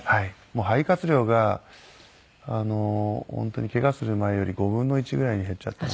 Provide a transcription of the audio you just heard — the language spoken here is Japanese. もう肺活量が本当にケガする前より５分の１ぐらいに減っちゃった。